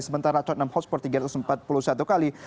sementara tottenham hotspur tiga ratus empat puluh satu kali